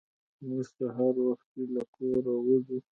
موږ سهار وختي له کوره وځو.